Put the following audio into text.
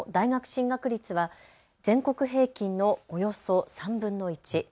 進学率は全国平均のおよそ３分の１。